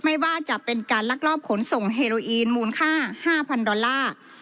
ไม่ว่าจะเป็นการลักลอบขนส่งเฮโรอีนมูลค่า๕๐๐ดอลลาร์